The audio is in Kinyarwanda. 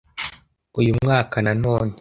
uyu mwaka na none